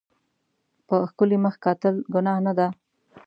په ښکلي مخ کتل ګناه نه ده.